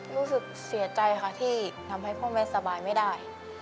รู้สึกเสียใจค่ะที่ทำให้พ่อแม่สบายไม่ได้